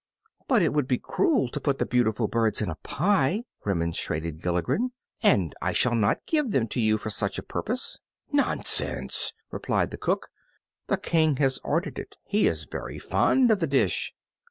"But it would be cruel to put the beautiful birds in a pie," remonstrated Gilligren, "and I shall not give them to you for such a purpose." "Nonsense!" replied the cook, "the King has ordered it; he is very fond of the dish."